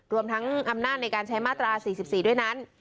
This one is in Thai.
รวมทั้งอำนาจในการใช้มาตรา๔๔ด้วยนั้น